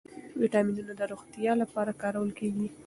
ویټامینونه د روغتیا لپاره کارول کېږي.